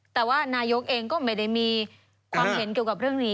แต่ว่านายกเองก็ไม่ได้มีความเห็นเกี่ยวกับเรื่องนี้